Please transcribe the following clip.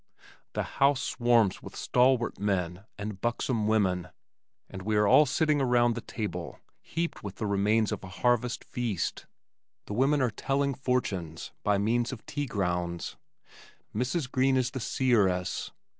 The house swarms with stalwart men and buxom women and we are all sitting around the table heaped with the remains of a harvest feast. The women are "telling fortunes" by means of tea grounds. Mrs. Green is the seeress.